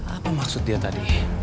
apa maksud dia tadi